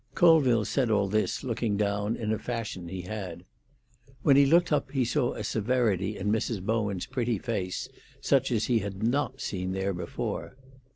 Colville said all this looking down, in a fashion he had. When he looked up he saw a severity in Mrs. Bowen's pretty face, such as he had not seen there before.